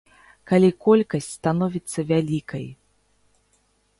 Калі колькасць становіцца вялікай?